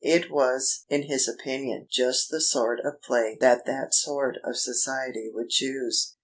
It was (in his opinion) just the sort of play that that sort of society would choose.